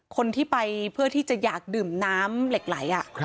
คนที่ไปเพื่อที่จะอยากดื่มน้ำเหล็กไหล